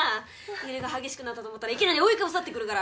揺れが激しくなったと思ったらいきなり覆いかぶさってくるから。